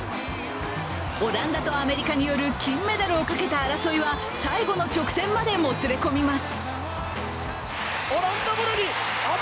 オランダとアメリカによる金メダルをかけた争いは最後の直線までもつれ込みます。